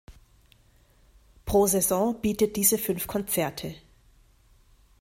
Pro Saison bietet diese fünf Konzerte.